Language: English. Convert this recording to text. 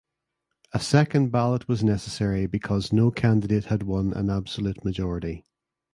A second ballot was necessary because no candidate had won an absolute majority.